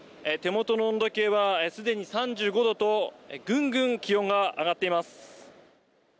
手元の温度計はすでに３５度と、ぐんぐん気温が上がっています。